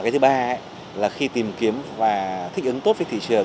cái thứ ba là khi tìm kiếm và thích ứng tốt với thị trường